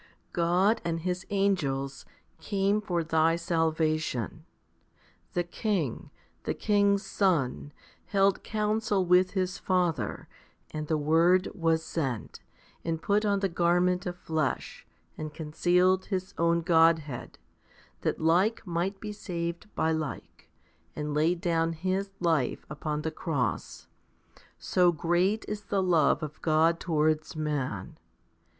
44. God and His angels came for thy salvation. The King, the King's Son, held council with His Father, and the Word was sent, and put on the garment of flesh, and concealed His own Godhead, that like might be saved by like, and laid down His life upon the cross. So great is the love of God towards man.